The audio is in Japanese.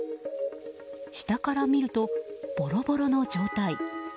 下から見ると、ボロボロの状態。